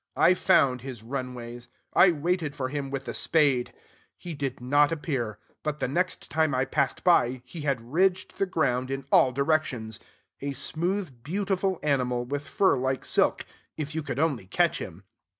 I found his run ways. I waited for him with a spade. He did not appear; but, the next time I passed by, he had ridged the ground in all directions, a smooth, beautiful animal, with fur like silk, if you could only catch him.